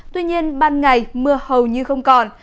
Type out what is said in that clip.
tuy nhiên ban ngày mưa hầu như không còn